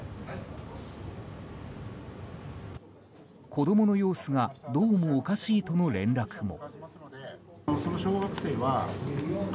子供の様子がどうもおかしいとの連絡も。